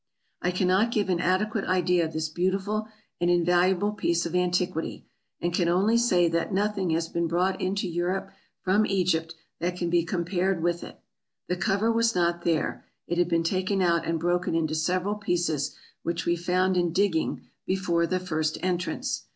I cannot give an adequate idea of this beautiful and in valuable piece of antiquity, and can only say that nothing has been brought into Europe from Egypt that can be com pared with it. The cover was not there ; it had been taken out and broken into several pieces, which we found in dig ging before the first entrance.